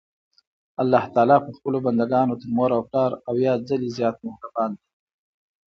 الله تعالی په خپلو بندګانو تر مور او پلار اويا ځلي زيات مهربان دي.